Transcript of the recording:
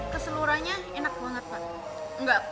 keseluruhannya enak banget pak